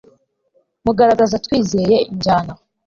mugaragaza, twizeye injyana